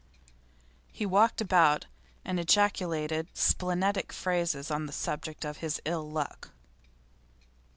He walked about and ejaculated splenetic phrases on the subject of his ill luck.